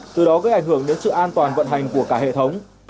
từ đó gây ảnh hưởng đến sự an toàn vận hành của cả hệ thống